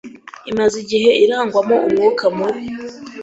Imaze igihe irangwamo umwuka mubi